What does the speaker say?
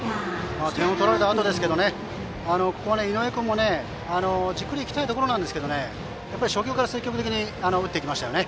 点を取られたあとで井上君もじっくり行きたいところですが初球から積極的に打っていきましたね。